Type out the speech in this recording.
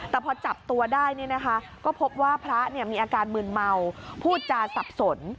แต่พอจับตัวได้ก็พบว่าพระมีอาการมืนเมาพูดจาสับสน